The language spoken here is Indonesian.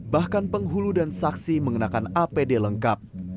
bahkan penghulu dan saksi mengenakan apd lengkap